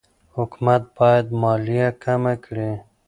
حکومت باید مالیه کمه کړي.